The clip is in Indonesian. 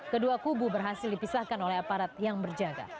kedua kubu berhasil dipisahkan oleh aparat yang berjaga